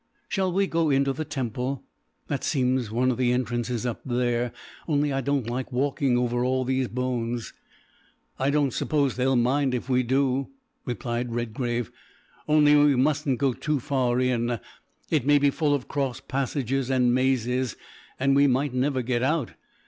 "Shall we go into the temple? That seems one of the entrances up there, only I don't like walking over all those bones." "I don't suppose they'll mind if we do," replied Redgrave, "only we mustn't go far in. It may be full of cross passages and mazes, and we might never get out.